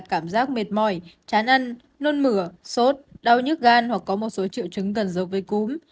cảm giác mệt mỏi chán ăn nôn mửa sốt đau nhức gan hoặc có một số triệu chứng gần giống với cúm